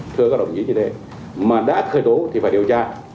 thưa các đồng chí như thế mà đã khởi tổ thì phải điều tra